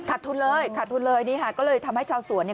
ทุนเลยขาดทุนเลยนี่ค่ะก็เลยทำให้ชาวสวนเนี่ย